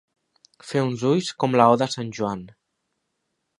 Fer uns ulls com la «o» de sant Joan.